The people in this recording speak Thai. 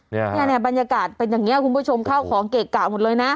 เนี่ยเนี่ยบรรยากาศเป็นอย่างนี้คุณผู้ชมเข้าของเกะกะหมดเลยนะ